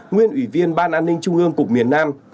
nguyên ủy viên ban an ninh trung ương cục miền nam